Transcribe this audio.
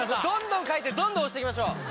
どんどん書いてどんどん押して行きましょう！